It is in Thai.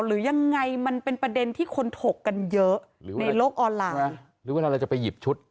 หรือยังไงมันเป็นประเด็นที่คนถกกันเยอะหรือในโลกออนไลน์หรือเวลาเราจะไปหยิบชุด